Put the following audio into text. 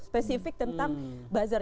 spesifik tentang buzzer